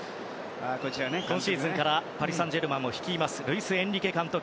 今シーズンからパリ・サンジェルマンを率いるルイス・エンリケ監督。